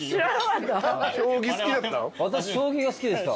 私将棋が好きでした。